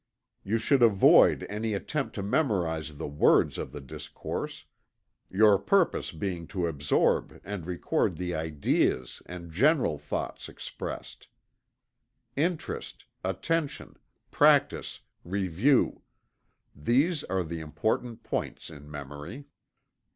You should avoid any attempt to memorize the words of the discourse your purpose being to absorb and record the ideas and general thought expressed. Interest Attention Practice Review these are the important points in memory.